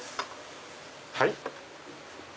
はい？